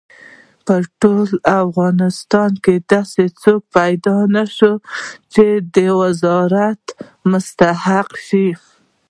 په ټول افغانستان کې داسې څوک پیدا نه شو چې د وزارت مستحق شي.